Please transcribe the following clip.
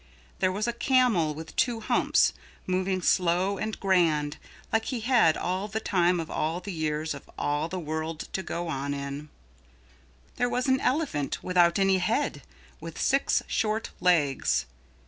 There was a camel with two humps, moving slow and grand like he had all the time of all the years of all the world to go in. There was an elephant without any head, with six short legs.